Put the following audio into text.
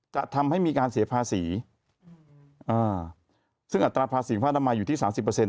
จะทำให้มีการเสียภาษีอ่าซึ่งอัตราภาษีผ้านามัยอยู่ที่สามสิบเปอร์เซ็น